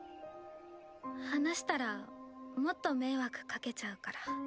話したらもっと迷惑かけちゃうから。